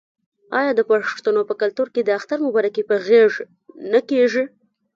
آیا د پښتنو په کلتور کې د اختر مبارکي په غیږ نه کیږي؟